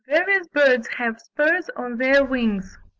] Various birds have spurs on their wings.